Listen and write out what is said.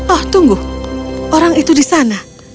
oh tunggu orang itu di sana